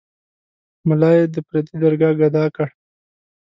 ملا یې د پردي درګاه ګدا کړ.